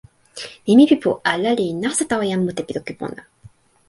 nimi pi pu ala li nasa tawa jan mute pi toki pona.